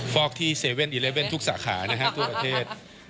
ฟอกที่๗๑๑ทุกสาขาทั่วประเทศ